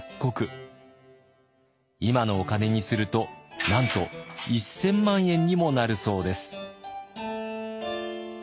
今のお金にするとなんと１，０００万円にもなるそうです。